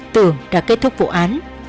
tưởng đã kết thúc vụ án